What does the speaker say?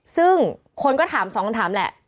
ซึ่งคนก็ถามสองคำถามแหละ